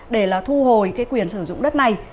để là thu hồi cái quyền sử dụng đất này